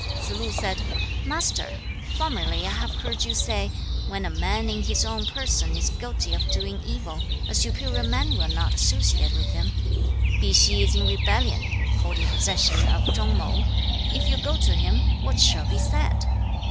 2. Tsze lu said, 'Master, formerly I have heard you say, "When a man in his own person is guilty of doing evil, a superior man will not associate with him." Pi Hsi is in rebellion, holding possession of Chung mau; if you go to him, what shall be said?'